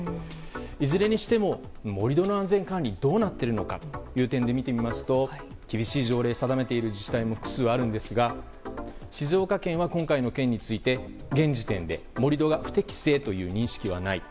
いずれにしても盛り土の安全管理どうなっているのかというと厳しい条例を定めている自治体も複数あるんですが静岡県は今回の件について盛り土が不適正という認識はない。